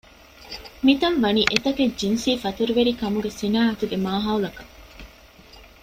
މިތަން ވަނީ އެތަކެއް ޖިންސީ ފަތުރުވެރިކަމުގެ ޞިނާޢަތުގެ މާހައުލަކަށް